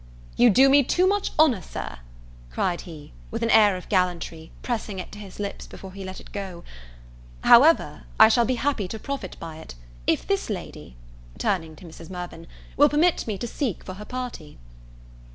"You do me too much honour, Sir," cried he, (with an air of gallantry, pressing it to his lips before he let it go;) "however, I shall be happy to profit by it, if this lady," turning to Mrs. Mirvan, "will permit me to seek for her party."